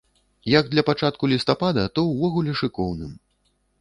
Як для пачатку лістапада, то ўвогуле шыкоўным.